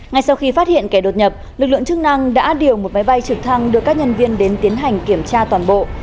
ngay sau khi phát hiện kẻ đột nhập lực lượng chức năng đã điều một máy bay trực thăng đưa các nhân viên đến tiến hành kiểm tra toàn bộ